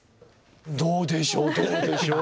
どうでしょう、どうでしょう？